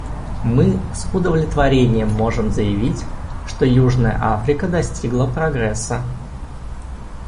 Мы с удовлетворением можем заявить, что Южная Африка достигла прогресса.